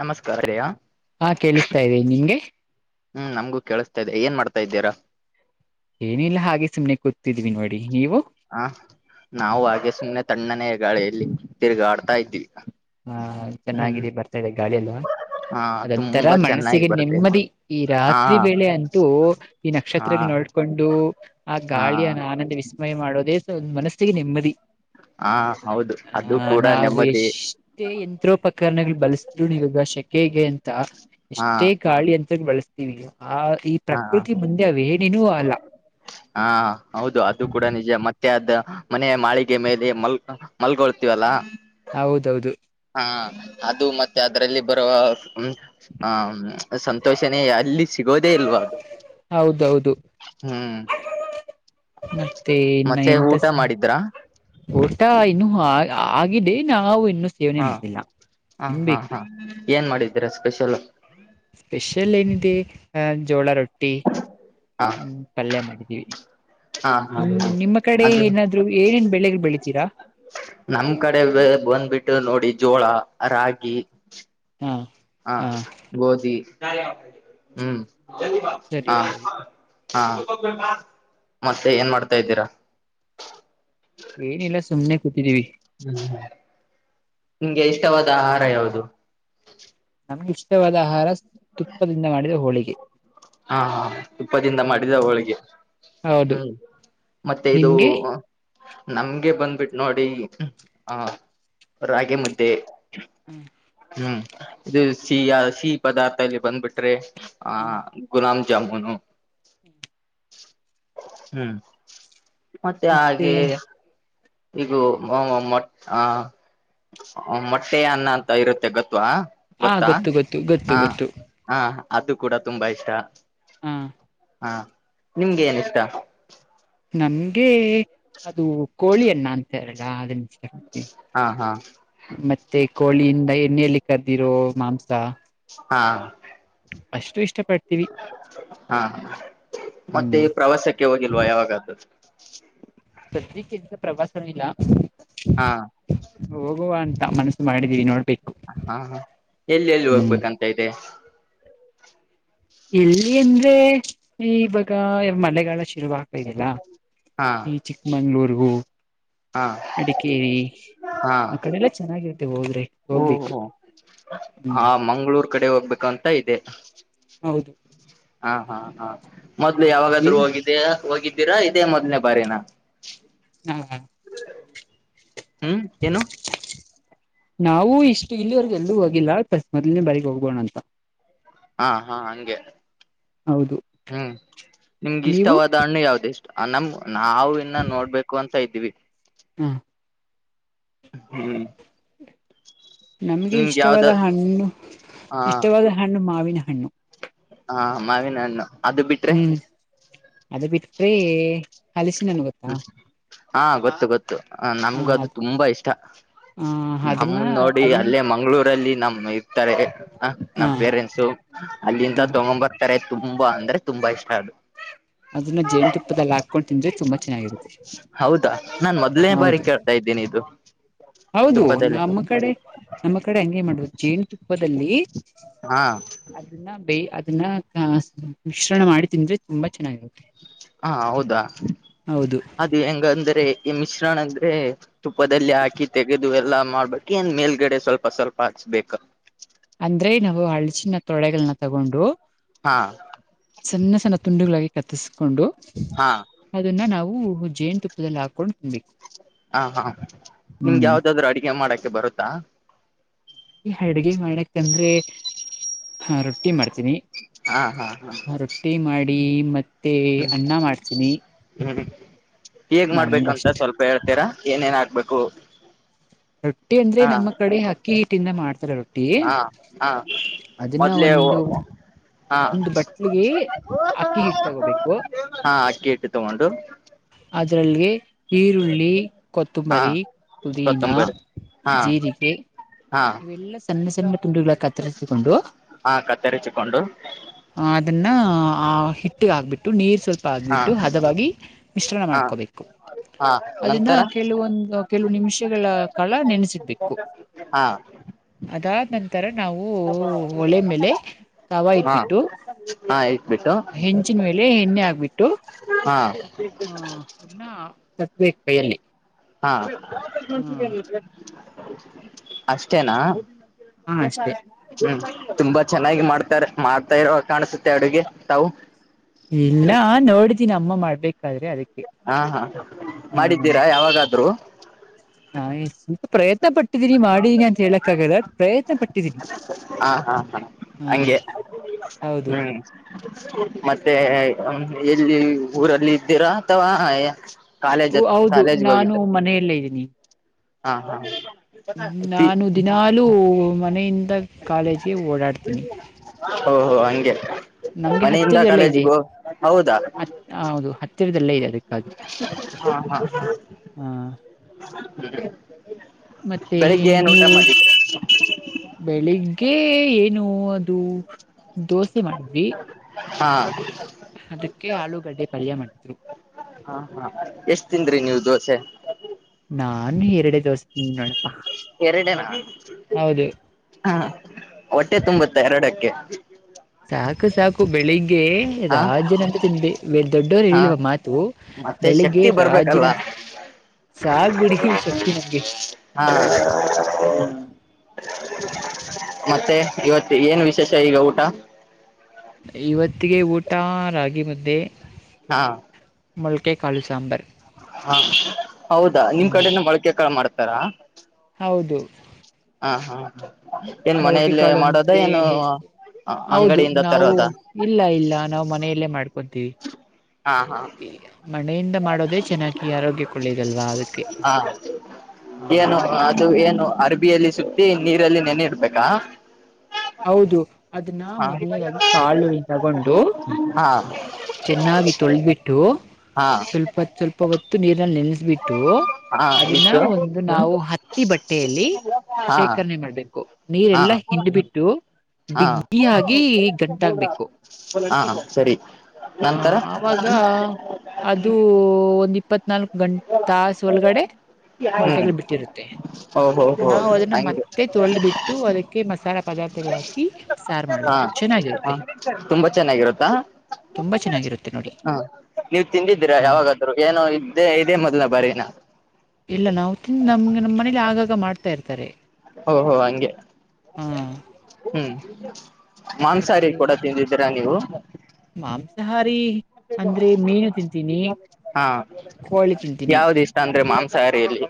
ನಮಸ್ಕಾರ ರೆಯಾ ಹಾ ಕೇಳಿಸ್ತಾ ಇದ್ದೀ ನಿಂಗೆ ಹ್ಮ್ ನಮ್ಗೂ ಕೇಳಿಸ್ತಾ ಇದ್ದ ಏನ್ ಮಾಡ್ತಾ ಇದ್ದೀರಾ ಏನಿಲ್ಲ ಹಾಗೆ ಸುಮ್ನೆ ಕೂತಿದ್ವಿ ನೋಡಿ ನೀವು ಹ ನಾವು ಹಾಗಗ ಸು ತಣ್ಣನೇ ಗಾಳಿಯಲ್ಲಿ ತಿರುಗಾಡ್ತಾ ಇದ್ದೀವಿ ಹಾ ಚೆನ್ನಾಗಿದೆ ಬರ್ತಾ ಇದೆ ಗಾಳಿ ಎಲ್ವಾ ಹಾ ಅದಂತರ ತುಂಬಾ ಚೆನ್ನಾಗಿ ಮನಸ್ಸಿಗೆ ಬರುತ್ತೆ ನೆಮ್ಮದಿ ಈ ಹಾ ರಾತ್ರಿ ವೇಳೆ ಅಂತೂ ಈ ಹಾ ನಕ್ಷತ್ರಗಳ ನೋಡ ನೋಡ್ಕೊಂಡು ಆ ಹಾ ಗಾಳಿಯನ್ನು ಆನಂದ ವಿಸ್ಮಯ ಮಾಡೋದೇ ಒಂದು ಮನಸ್ಸಿಗೆ ನೆಮ್ಮದಿ ಹಾ ಹೌದು ಅದು ಹ ಕೂಡ ನಾವು ನೆಮ್ಮದಿ ಎಷ್ಟೇ ಯಂತ್ರೋಪಕರಣಗಳು ಬಳಸಿದ್ರು ನೀವೀಗ ಶೆಕೆಗೆ ಅಂತ ಹಾ ಎಷ್ಟೇ ಗಾಳಿ ಯಂತ್ರಗಳು ಬಳಸ ಆ ಈ ಹಾ ಪ್ರಕೃತಿ ಮುಂದೆ ಅವೇಣಿನೂ ಅಲ್ಲ ಹಾ ಹೌದು ಅದು ಕೂಡ ನಿಜ ಮತ್ತೆ ಅ ಮನೆಯ ಮಾಳಿಗೆ ಮೇಲೆ ಮಲ್ ಮಲ್ಗೊಳ್ತೀವಲ್ಲಾ ಹೌದೌದು ಹ ಅದು ಮತ್ತೆ ಅದರಲ್ಲಿ ಬರುವ ಸಂತೋಷನೇ ಅಲ್ಲಿ ಸಿಗೋದೇ ಇಲ್ವಾ ಅದು ಹೌದೌದು ಹ್ಮ್ ಮತ್ತೆ ಇನ್ನ ಮತ್ತೆ ಊಟ ಎಂಟಸ ಮಾಡಿದ್ರಾ ಊಟಾ ಇನ್ನು ಆ ಆಗಿದೆ ನಾವು ಇನ್ನು ಸೇವನೆ ಹಾ ಮಾಡಿಲ್ಲ ಹಾ ಹಾ ತಿನ್ಬೇಕು ಹಾ ಏನ್ ಮಾಡಿದೀರಾ ಸ್ಪೆಷಲ್ ಸ್ಪೆಷಲ್ ಏನಿದೆ ಅಹ ಜೋಳ ರೊಟ್ಟಿ ಹ ಹ್ಮ ಪಲ್ಯ ಮಾಡ ಹಾ ಹಾ ನಿ ನಿಮ್ಮ ಕಡೆ ಅದು ಏನಾದ್ರು ಏನೇನ್ ಬೆಳೆಗ್ ಬೆಳಿತೀರಾ ನಮ್ ಕಡೆ ಬಂದ್ಬಿಟ್ಟು ನೋಡಿ ಜೋಳ ರಾಗಿ ಹಾ ಹಾ ಗೋಧಿ ಹ್ಮ್ ಸರಿ ಹಾ ಸರಿ ಹಾ ಮತ್ತೆ ಏನ್ ಮಾಡ್ತಾ ಇದ್ದೀರಾ ಏನಿಲ್ಲ ಸುಮ್ಮನೆ ಕ ಹ್ಮ ನಿಂಗೆ ಇಷ್ಟವಾದ ಆಹಾರ ಯಾವುದು ನಮ್ಗೆ ಇಷ್ಟವಾದ ಆಹಾರ ತುಪ್ಪದಿಂದ ಮಾಡಿದ ಹೋಳಿಗೆ ಹಾ ಹಾ ತುಪ್ಪದಿಂದ ಮಾಡಿದಾವ ಹ್ಮ್ ಹೋಳಿಗೆ ಹೌದು ಹ್ಮ್ ಮತ್ತೆ ಇದು ನಿಮ್ಗೆ ನಮ್ಗೆ ಬಂದ್ಬಿಟ್ಟು ನೋಡಿ ಆಹ ರಾಗಿ ಮುದ್ದೆ ಹ್ಮ್ ಹ್ಮ್ ಇದು ಸಿಹಿ ಸಿಹಿ ಪದಾರ್ಥ ಅಲ್ಲಿ ಬಂದ್ಬಿಟ್ರೆ ಆ ಗುಲಾಾಮ ಜಮ್ಮುನು ಹ್ಮ್ ಮತ್ತೆ ಹಾಗೆ ಈಗ ಮೊ ಆ ಮೊಟ್ಟೆ ಅನ್ನ ಅಂತ ಇರುತ್ತೆ ಗೊತ್ತ ಗವಾ ಹ ಗೊತ್ತಾ ಗೊತ್ತು ಗೊತ್ತು ಗೊತ್ತು ಹಾ ಗೊತ್ತು ಹಾ ಅದು ಕೂಡ ತುಂಬಾ ಇಷ್ಟ ಹ ಹಾ ನಿಮ್ಗೆ ಏನ ಇಷ್ಟ ನಮ್ಗೆ ಅದು ಕೋಳಿ ಅ್ಣ ಅಂತಾರಲ್ಲ ಶಕ್ತಿ ಹಾ ಹಾ ಮತ್ತೆ ಮತ್ತೆ ಕೋಳಿಯಿಂದ ಎಣ್ಣಲಿ ಕದ್ದಿರೋ ಮಾಂಸ ಹಾ ಅಷ್ಟು ಇಷ್ಟು ಹಾ ಹಾ ಮತ್ತೆ ಹ್ಮ್ ಪ್ರವಾಸಕ್ಕೆ ಹೋಗಿಲ್ವಾ ಯಾವಾಗಾದದು [unintelligible] ಸದ್ಯಕ್ಕೆಂತ ಪ್ರವಾಸ ಇಲ್ಲ ಹಾ ಹೋಗುವ ಅಂತ ಮನಸ್ಸು ಮಾಡ ಜೀವನೋ ಹಾ ಎಲ್ಲಿ ಎಲ್ಲಿ ಹ್ಮ್ ಹೋಗ್ಬೇಕಂತ ಇದೆ ಎಲ್ಲಿ ಅಂದ್ರೆ ಇವಾಗ ಮಳೆಗಾಲ ಶುರುವಾಗತ ದೆಲ್ಲ ಹಾ ಈ ಚಿಕ್ಕಮಂಗ್ಳೂರ್ಗೂ ಹಾ ಅಡಿಕೇರಿ ಆ ಕಡೆ ಎಲ್ಲ ಚೆನ್ನಾಗಿರು ಓಹೋ ಆ ಹ್ಮ್ ಮಂಗ್ಗಳೂರ್ ಕಡೆ ಹೋಗ್ಬೇಕು ಅಂತ ಇದೆ ಹೌದು ಹಾ ಹಾ ಹಾ ಮೊದ್ಲು ಯಾವಾಗಾದ್ ಹ್ಮ್ ಹೋಗಿದ ಹೋಗಿದ್ದೀರಾ ಇದೇ ಮೊದ್ನೇ ಬಾರಿನ ಹಾ ಹ್ಮ್ ಏನು ನಾವು ಇಷ್ಟು ಇಲ್ಲಿವರೆಗೆ ಎಲ್ಲೂ ಹೋಗಿಲ್ಲ ಮೊದ್ಲನೇ ಬಾರಿಗ್ ಹೋಗ್ಬೋಣ ಅಂತ ಹಾ ಹಾ ಹಂಗೆ ಹೌದು ಹ್ಮ್ ನಿಮ್ಗ ನೀವು ಇಷ್ಟವಾದ ಹಣ್ಣು ಯಾವ್ದ ಇಷ್ಟ ನಮ್ ನಾವವು ಇನ್ನ ನೋಡ್ಬೇಕು ಅಂತ ಇದ್ದೀವಿ ಹಾ ಹ್ಮ್ ನಮ್ಗೆ ಇಷ್ಟವಾದ ಹಣ್ಣು ಇಷ್ಟವಾದ ಹಣ್ಣು ಮಾವಿನ ಹಣ್ಣು ಹಾ ಮಾವಿನು ಹ್ಮ್ ಅದ ಬಿಟ್ಟ್ರಿ ಹಲಸಿ ನನ್ ಗೊತ್ತಾ ಹ್ಮ್ ಹಾ ಗೊತ್ತು ಗೊತ್ತು ಹ ನಮ್ಗ ಹ ಅದು ತುಂಬಾ ಇಷ್ಟ ಹ ನಮ ಅದನ್ನ ನೋಡಿ ಅದನ್ನ ಅಲ್ಲೇ ಮಂಗ್ಗಳೂರಲ್ಲಿ ನಮ್ಮ್ ಇರ್ತಾರೆ ಹಾ ನಮ್ ಪೇರೆಂಟ್ಸು ಅಲ್ಲಿಂದ ಹ ತಗೊ ಬರ್ತಾರೆ ತುಂಬಾ ಅಂದ್ರೆ ತುಂಬಾ ಇಷ್ಟ ಅದು ಅದನ್ನ ಜೇನ್ ತುಪ್ಪದಲ್ಲಿ ಹಾಕೊಂಡು ತಿಂದ್ರೆ ತುಂಬಾ ಚೆನ್ನಾಗಿರುತ್ತೆ ಹೌದಾ ನಾನ್ ಮೊದ್ಲನೇ ಬಾರಿ ಹೌದು ಕೇಳ್ತಾ ಇದ್ದೀನಿ ಇದು ಹೌದು ತುಪ್ಪದಲ್ಲಿ ನಮ್ಮ ಕಡೆ ನಮ್ಮ ಕಡೆ ಹಂಗಗೆ ಮಾಡುದು ಜೇನುತುಪ್ಪದಲ್ಲಿ ಹಾ ಅದನ್ನ ಬೇ ಅದನ್ನ ಮಿಶ್ರಣ ಮಾಡಿ ತಿಂದ್ರೆ ತುಂಬಾ ಚೆನ್ನಾಗಿರುತ್ತೆ ಹಾ ಹೌದಾ ಹೌದು ಅದು ಹೆಂಗ ಅಂದ್ರೆ ಈ ಮಿಶ್ರಣ ಅಂದ್ರೆ ತುಪ್ಪದಲ್ಲಿ ಹಾಕಿ ತೆಗೆದು ಎಲ್ಲಾ ಮಾಡ್ಬೇಕು ಏನ್ ಮೇಲ್ಗಡೆ ಸ್ವಲ್ಪ ಸ್ವಲ್ಪ ಬೇಕಾ ಅಂದ್ರೆ ನಾವು ಹಳ್ಚಿನ ತೊಳೆಗಳನ್ನ ತಗೊಂಡು ಹಾ ಸಣ್ಣ ಸಣ್ಣ ತುಂಡುಗಳಾಗಿ ಕತ್ತಿಸಕೊಂಡು ಹಾ ಅದನ್ನ ನಾವು ಹೂ, ಜೇನು ತುಪ್ಪದಲ್ಲಿ ಹಾಕೊಂಡು ತಿನ್ಬೇಕು? [inaudible] ಹಾ, ಹಾ, ನಿಮ್ಗೆ, ಹ್ಮ್ ಯಾವ್ದಾದ್ರು! ಅಡಿಗೆ ಮಾಡಕ್ಕೆ ಬರುತ್ತಾ? [inaudible] ಅಡ್ಗೆ, ಮಾಡಕ್ಂದ್ರೆ, ಹ, ರೊಟ್ಟಿ ಮಾಡ್ತೀನಿ. ಹಾ ಹಾ ಹ [inaudible] ರೊಟ್ಟಿ, ಮಾಡಿ ಮತ್ತೆ ಹ್ಮ್ ಅನ್ನ ಮಾಡ್ತೀನಿ! [inaudible] ಹ್ಮ್, ಹೇಗ್ ನಂಗ ಮಾಡ್ಬೇಕಂತ! ಅಷ್ಟ ಸ್ವಲ್ಪ ಹೇಳ್ತೀರಾ ಏನೇನ್ ಹಕ್ಬೇಕು? [inaudible] ರೊಟ್ಟಿ, ಅಂದ್ರೆ, ನಮ್ಮ ಕಡೆ ಅಕ್ಕಿ ಹಿಟ್ಟಿಂದ ಮಾಡ್ತಾರೆ, ರೊಟ್ಟಿ. [inaudible] ಹಾ, ಹಾ, ಅದನ್ನ ಮೊದ್ಲೆೇ, ಒಂದು ಹೋಗು? [unintelligible] ಹಾ, ಒಂದು ಬಟ್ಲಿಗೆ ಅಕ್ಕಿ ಹಿಟ್ ತಗೋಬೇಕು ಹಾ. [unintelligible] ಕೇಟ್ಟು, ತಗೊಂಡು! [unintelligible] ಅದರಲ್ಲಿಗೆ? [inaudible] ಈರುಳ್ಳಿ, ಹಾ ಕೊತ್ತಂಬರಿ, ಪುದೀನಾ, ಕೊತ್ತಂಬರಿ ಹಾ ಜೀರಿಗೆ. ಹಾ [inaudible] ಇವೆಲ್ಲಾ, ಸಣ್ಣ, ಸಣ್ಣ, ತುಂಡುಗಳ ಕತ್ತರಿಸಿಕೊಂಡು. ಹಾ ಕತ್ತರಿಸಿಕೊಂಡು [inaudible] ಆ, ಅದನ್ನ, ಆ ಹಿಟ್ಟಗೆ, ಹಾಕ್ಬಿಟ್ಟು! ನೀರ್ ಸ್ವಲ್ಪ ಹಾ ಹಾಕ್ಬಿಟ್ಟು ಹದವಾಗಿ. [inaudible] ಮಿಶ್ರಣ, ಹಾ ಮಾಡ್ಕೋಬೇಕು? ಹಾ [inaudible] ಅದನ್ನ, ನಂತರ ಕೆಲವೊಂದು, ಕೆಲವು, ನಿಮಿಷಗಳ ಕಾಲ ನೆನೆಸರ್ಬೇಕು? ಹಾ [inaudible] ಅದ! [inaudible] ನಾವು, ಒಳೆ, ಮೇಲೆ, ತವಾ ಹಾ ಇಬ್ಬಿಟ್ಟು ಹಾ ಇಟ್ಬಿಟ್ಟು ಹೆಂಜಿನ, ಮೇ. [inaudible] ಎಣ್ಣೆ, ಆಗ್ಬಿಟ್ಟು? [inaudible] ಹಾ. [inaudible] ಸತ್ವ, ಕೈಯಲ್ಲಿ? [inaudible] ಹಾ, ಹಾ ಅಷ್ಟೇನಾ? [unintelligible] ಅಷ್ಟೇ ಏಪ್ರಿಲಾಲ, ಜೂನ್. [unintelligible] ತುಂಬಾ, ಚೆನ್ನಾಗಿ ಮಾಡ್ತಾರೆ, ಮಾಡ್ತಾ ಇರ ಕಾಣಸುತ್ತೆ, ಅಡುಗೆ ತಾವು? [inaudible] ಇಲ್ಲ, ನೋಡಿದ್ದೀನಿ ಅಮ್ಮ, ಮಾಡಬೇಕು? [unintelligible] ಹಾ, ಹಾ, ಮಾಡಿದ್ದೀರಾ! ಯಾವಾಗಾದ್ರು? [unintelligible] ನಾಯಿ, ಸ್ವಲ್ಪ, ಪ್ರಯತ್ನ ಪಟು. [inaudible] ಇಟ್ಟಿದ್ದೀನಿ, ಮಾಡಿ ನನ್ ಹೇಳಕ್ಕಾಗಲ್ಲ! ಪ್ರಯತ್ನ ಪಟ್ಟಿದ್ದೀನಿ, ಹಾ ಹಾ ಹಾ ಹಾ. [inaudible] ಹಂಗೆ ಹೌದು ಹ್ಮ್, ಮತ್ತೆ, ಹೂಂ... [unintelligible] ಎಲ್ಲಿ, ಹೇಳಿ, ಊರಲ್ಲಿ ಇದ್ದೀರಾ ಅಥವಾ? [unintelligible] ಹ್ಮ್, ಹೌದು, ಕಾಲೇಜ್ಗೆ ನಾನು, ಹೋಗಿದ್ದ ಮನೆಯಲ್ಲೇ, ಇದ್ದೀನಿ! [inaudible] ಹಾ, ಹಾ. [unintelligible] ನಾನು, ದಿನಾಲೂ! ಮನೆಯಿಂದ ಕಾಲೇಜ್ಗೆ ಓಡಾಡ್ತೀನಿ? [inaudible] ಓಹೋ, ಹಂಗೆ! [inaudible] ನಮ್ಗೆ ಮನೆಯಿಂದ, ಹತ್ತಿರದಲ್ಲೇ ಇದೆ ಕಾಲೇಜ್ಗೂ, ಹೌದಾ? ಹತ್ ಹೌದು ಹತ್ತಿರದಲ್ಲೇ ಇದೆ ಅದಕ್ಕಾಗಿ [unintelligible] ಹಾ, ಹಾ. ಹಾ [unintelligible] ಮತ್ತೆ, ನೀವು, ಬೆಳಿಗ್ಗೆ ಏನು? [unintelligible] ಅದು, ದೋಸೆ ಮಾಡಿದ್ವಿ! [inaudible] ಹಾ. [unintelligible] ಅದಕ್ಕೆ, ಆಲೂಗಡ್ಡೆ, ಪಾಳ್ಯ, ಮಾಡುತ್ತಿದ್ದರು. [inaudible] ಹಾ, ಹಾ, ಎಷ್ಟ್ ತಿಂದ್ರಿ ನೀವು ದೋಸೆ? [inaudible] ಅನ್ನಿ, ಎರಡೇ ತೋರಿಸ್ತೀನಿ, ನೋಡು. [inaudible] ಎರಡನೆ, ನಾ, ಹಾ. [inaudible] ಹೊಟ್ಟೆ, ತುಂಬುತ್ತೆ ಎರಡಕ್ಕೆ? [inaudible] ಸಾಕು, ಸಾಕು, ಬೆಳಿಗ್ಗೆ? [inaudible] ಹೇ, ಹಾ ರಾಜ್ಯಂತೆ, ತಿಂದೇ, ದೊಡ್ಡವರು, ಹಾ ಹೇಳುವ ಮಾತು, ಬೆಳಿಗ್ಗೆ ರಾಜ್ಯನಾಥೇ. [inaudible] ಹ. [unintelligible] ಹಾ, ಹಾ ಮತ್ತೆ ಇವತ್ತು ಏನ್, ವಿಶೇಷ ಈಗ ಊಟ. [unintelligible] ಇವತ್ತಿಗೆ, ಊಟ ರಾಗಿ ಮುದ್ದೆ. [unintelligible] ಹಾ. [inaudible] ಮೊಳಕೆ, ಕಾಲು ಸಾಂಬಾರ್. [inaudible] ಹಾ ಹೌದಾ ನಿಮ್ ಹ್ಮ್ ಕಡೆನ ಬಳಕೆ ಕಳ ಮಾಡ್ತಾರಾ ಹೌದು ಹ ಹಾ ಏನ್ ಮೊಳಕೆ ಮನೆಯಲ್ಲಿ ಕಾಳು ಮಾಡೋದ ಅಂದ್ರೆ ಏನು ಹೌದು ಅಂಗಡಿಯಿಂದ ನಾವು ತರೋದ ಇಲ್ಲ ಇಲ್ಲ ನಾ್ ಮನೆಯಲ್ಲೇ ಮಾಡ್ಕೊ ಹಾ ಹಾ [unintelligible] ಮನೆಯಿಂದ ಮಾಡೋದೇ ಚೆನ್ನಾಗಿ ಆರೋಗ್ಯಕ್ಕೊಳ್ಳೆಯದಲ್ವಾ ಅದಕ್ಕೆ ಹಾ ಹಾ ಏನು ಅದು ಏನು ಅರ್ಬಿಯಲ್ಲಿ ಸುತ್ತಿ ನೀರಲ್ಲಿ ನೆನ ಇಡ್ಬೇಕಾ ಹೌದು ಅದನ್ನ ಹಾ ಮೊದ್ನೇದಾಗಿ ಕಾಳುಿ ತಗೊಂಡು ಹಾ ಚೆನ್ನಾಗಿ ತೊಳಬಿಟ್ಟು ಹಾ ಸ್ವಲ್ಪ ಸ್ವಲ್ಪ ಹೊತ್ತು ನೀರನ ಬಿಟ್ಟು ಹಾ ಅದನ್ನ ಇಷ್ಟು ಒಂದು ನಾವು ಹ ಹತ್ತಿ ಬಟ್ಟೆಯಲ್ಲಿ ಹಾ ಶೇಖರಣೆ ಮಾಡ್ಬೇಕು ಹಾ ನೀರೆಲ್ಲಾ ಹಿಂಡ್ಬಿಟ್ಟು ಹಾ ಬಿಗ್ಗಿಯಾಗಿ ಗಂಟಾಗ್ಬೇಕು. ಹಾ ಸರಿ ಹ ನಂತರ ಆಾಗ ಅದು ಒಂದ್ ಇಪ್ಪತ್ ನಾಲ್ಕು ಗಂಟೆ ತಾಸ ಒಳಗಡೆ ಹ್ಮ್ ಮೊಲಕೆಗಳು ಬಿಟ್ಟಿರುತ್ತೆ ಓಹೋ ಹೋ ನಾವವು ಅದನ್ನ ಹಂಗೆ ಮತ್ತೆ ತೊಳೆ್ ಬಿಿಟ್ಟು ಅದಕ್ಕೆ ಮಸಾಲೆ ಪದಾರ್ಥಗಳ ಹಾಕಿ ಸಾರು ಹ ಮಾಡ್ಬೇಕ ತುಂಬಾ ಚೆನ್ನಾಗಿರುತ್ತಾ ತುಂಬಾ ಚೆನ್ನಾಗಿರುತ್ತೆ ನೋಡಿ ಹ ನೀವ್ ತಿಂದಿದ್ದೀರಾ ಹ ಯಾವಾಗಾದ್ರು ಏನೋ ಇಲ್ಲ ಇದೇ ಮೊದ್ಲ ಬರಿನ ಇಲ್ಲ ನಾವು ತಿಿಂದ ನಮ್ಗೆ ನಮ್ಮ್ ಮನೇಲಿ ಆಗಾಗ ಮಾಡ್ತಾ ಇರ್ತಾರೆ ಓ ಹೋ ಹಂಗೆ ಹ ಹ್ಮ್ ಮಾಂಸಹಾರಿ ಕೂಡ ತಿಂದಿದೀರಾ ನೀವು ಮಾಂಸಹಾರಿ ಹಾ ಕೋಳಿ ತಿಂತೀನಿ ಯಾವ್ದ ಇಷ್ಟ ಅಂದ್ರೆ ಮಾಂ ಮಾಂಸಾಹಾರಿಲಿ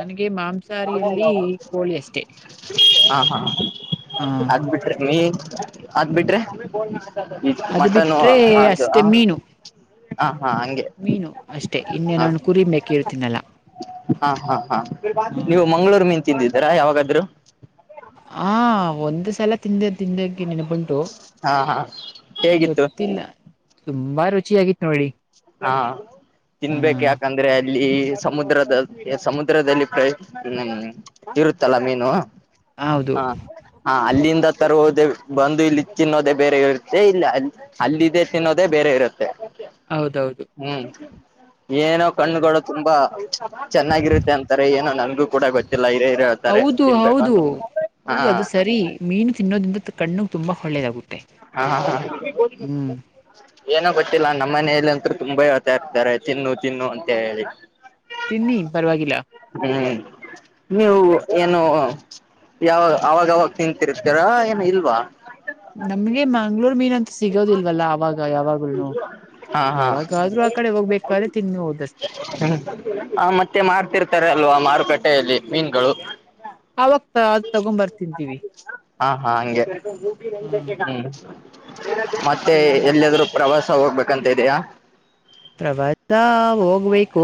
ನನಗೆ ಮಾಂಸಾಾರಿ ಹಾ ಹಾ ಹ ಅದ್ಬಿಟ್ರೆ ಅದ ಬಿಟ್ರಿ ಅದು ಮಟನ್ ಬಿಟ್ರೆ ಅಷ್ಟೇ ಹ ಮೀನು ಹ ಮೀನು ಅಷ್ಟೇ ಇನ್ನು ನಾನು ಕುರಿ ಮೇಕೆ ಯಲ್ಲಿ ತಿನ್ನಲಾ ಹಾ ಹಾ ಹಾ ನೀವು ನೀನ್ ತಿಂದಿದ್ದರಾ ಯಾವಾಗಾದ್ೂ ಹ ಒಂದ್ ಸಲ ತಿಂದ ತಿಂದಕ್ಕೆ ನೆನ್ಪಂಟು ಹಾ ಹಾ ಹೇಗಿತ್ತು ಗೊತ್ತಿಲ್ಲ ತುಂಬಾ ರುಚಿ ಆಗಿತ್ತು ನೋಡಿ ಹಾ ಹಾ ತಿನ್ಬೇಕು ಯಾಕಂದ್ರೆ ಅಲ್ಲಿ ಇಲ್ಲಿ ಸಮುದ್ರದ ಸಮುದ್ರದಲ್ಲಿ ಪ್ರ ಹ್ಮ ಇರುತ್ತಲ್ಲ ಮೀನು ಹೌದು ಹ ಹಾ ಅಲ್ಲಿಂದ ತರ್ ಹೋದೇ ಬಂದು ಇಲ್ಲಿ ತಿನ್ನೋದೇ ಬೇರೆ ಇರುತ್ತೆ ಇಲ್ಲಿ ಅ ಅಲ್ಲದೆೇ ತಿನ್ನೋದೇ ಬೇರೆ ಇರುತ್ತೆ ಹೌದೌದು ಹ್ಮ್ ಏನೋ ಕಣ್ಣುಗಳು ತುಂಬಾ ಚೆನ್ನಾಗಿರುತ್ತೆ ಅಂತಾರೆ ಏನೋ ನನ್ಗೂ ಕೂಡ ಗೊತ್ತಿಲ್ಲ ಹಿರೇ ಹಿರ ಹೇಳ್ತಾರೆ ಹೌದು ಹೌದು ತಿನ್ಬೇಕಂತ ಹಾ ಹೌದು ಅದು ಸರಿ ಮೀನು ತಿನ್ನೋದ್ರಿಂದ ಕಣ್ಣ ತುಂಬಾ ಒಳ್ಳೇದಾಗುತ್ತೆ ಹಾ ಹಾ ಹಾ ಹ್ಮ್ ಏನೋ ಗೊತಿಲ್ಲ ನಮ್ಮ ಮನೆಯಲ್ಲಿ ಅಂತೂ ತುಂಬಾ ಹೊತ ಇರ್ತಾರೆ ತಿನ್ನು ತಿನ್ನು ಅಂತ ಹೇಳಿ.... ತಿನ್ನಿ ಪರವಾಗಿಲ್ಲ... ಹ್ಮ್ ನೀವು ಏನೋ.. ಯಾವ ಅವಾಗಾವಾಗ ತಿಂತರ್ತಾರ ಏನ ಇಲ್ವಾ... ನಮ್ಗೆ ಮಂಗ್ಳೂರು.... ಮೀನ್ ಅಂತ ಸಿಗೋದಿಲ್ವಲ್ಲ ಅವಾಗ ಯಾವಾಗನು ಹಾ ಹಾ ಯಾವಾಗಾದ್ರೂ ಆ ಕಡೆ ಹೋಗ್ಬೇಕಾದ್ರೆ ತಿನ್ನೋದು. ದಸ್ತೆ ಹ್ಮ ಆ ಮತ್ತೆ ಮಾರ್ತಿರ್ತಾರ ಅಲ್ವಾ ಮಾರುಕಟ್ಟೆಯಲ್ಲಿ ಮೀನುಗಳು... ಅವಾಗತ ಅ್ ತಗೊಂಡ್ ಬರ್ತಿದ್ದೀವಿ... ಹಾ ಹಾ ಹ್ಮ್ ಹ [inaudible] ಮತ್ತೆ ಎಲ್ಲಾದ್ರು ಪ್ರವಾಸ ಹೋಗ್ಬೇಕಂತ ಇದಯಾ.... ಪ್ರವಾಸ ಹೋಗ್ಬೇಕು...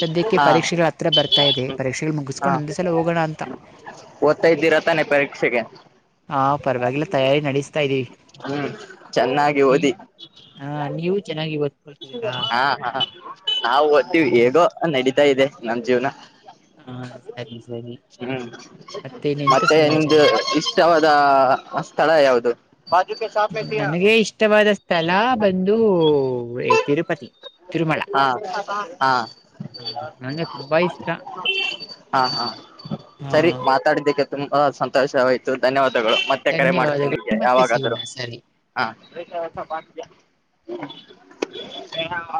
ಸದ್ಯಕ್ಕೆ ಹಾ ಪರೀಕ್ಷೆಗಳ ಹತ್ರ ಬರ್ತಾ ಇದೆ ಪರೀಕ್ಷೆಗಳು ಹಾ ಮುಗಿಸ್ಕೊಂಡು ಒಂದ ಸಲ ಹೋಗೋಣ ಅಂತ... ಓದ್ತಾ ಇದ್ದೀರಾ ತಾನೆ ಪರೀಕ್ಷೆಗೆ... ಹಾ ಪರವಾಗಿಲ್ಲ ತಯಾರಿ ನಡಸ್ತಾ ಇದ್ದೀವಿ... ಹ್ಮ್ ಚೆನ್ನಾಗಿ ನೀ ಓದಿ. ಆ ನೀವು ಚೆನ್ನಾಗಿ ಓದ್ಕೊಳ್ತಿದ್ದೀರಾ ಹಾ ಹಾ ನಾವು ಓದ್ತೀವಿ ಹ್ಮ್ ಹೇಗೋ ನಡೀತಾ ಇದೆ ನಮ ಜೀವ್ನ.... ಹಾ ಸರಿ ಸರಿ.. ಹ್ಮ್ ಇನ್ನೆಂತ ಮತ್ತೆ ನಿಮ್ದು ಸಮಾಚಾರ ಇಷ್ಟವಾದ ಸ್ಥಳ ಯಾವುದು... ನನಗೆ ಇಷ್ಟವಾದ ಸ್ಥಳ ಬಂದು ತಿರುಪತಿ... ತಿರುಮಲ ಹಾ ಹಾ... ಹ ನಂಗೆ ತುಂಬಾ ಇಷ್ಟ ಹಾ ಹಾ ಹ ಸರಿ ಮಾತಾಡಿದ್ದಕ್ಕೆ... ತುಂಬಾ ಸಂತೋಷವಾಯ್ತು ಧನ್ಯವಾದಗಳು ಮತ್ತೆ ಕರೆ ಮಾಡ್ತವೆ ಧನ್ಯವಾದಗಳು ನಿಮ್ಗೆ ಮತ್ತೆ ಯಾವಾಗ... ಸಿಗೋಣ ಸರಿ ಹ.